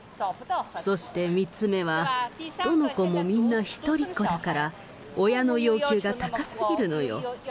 そして３つ目は、どの子もみんな一人っ子だから、親の要求が高すぎるのよ。